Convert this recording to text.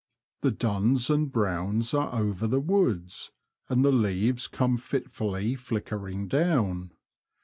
The duns and browns are over the woods, and the leaves come fitfully flickering down.